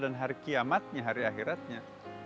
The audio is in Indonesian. dan hari kiamatnya hari akhiratnya